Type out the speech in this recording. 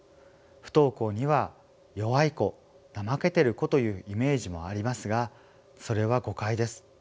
不登校には弱い子怠けてる子というイメージもありますがそれは誤解です。